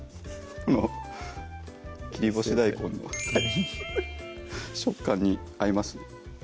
切り干し大根の食感に合います